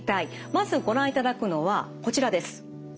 まずご覧いただくのはこちらです。